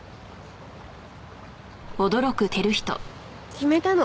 決めたの。